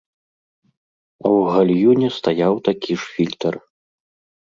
А ў гальюне стаяў такі ж фільтр.